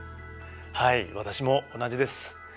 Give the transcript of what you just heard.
はい私も同じです。